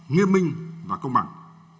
nghiêm minh và công bằng